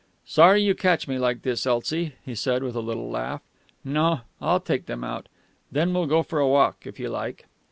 "Sorry you catch me like this, Elsie," he said, with a little laugh.... "No, I'll take them out; then we'll go for a walk, if you like...."